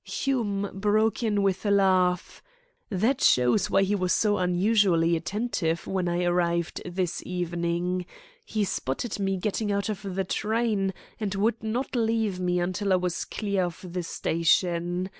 Hume broke in with a laugh: "That shows why he was so unusually attentive when I arrived this evening. He spotted me getting out of the train, and would not leave me until I was clear of the station.